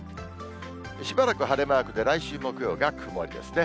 しばらく晴れマークで、来週木曜が曇りですね。